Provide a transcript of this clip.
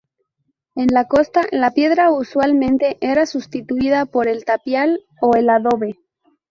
En la costa, la piedra usualmente era sustituida por el tapial o el adobe.